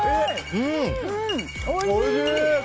おいしい！